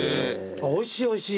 おいしいおいしい。